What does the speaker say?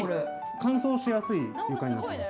乾燥しやすい床になってます。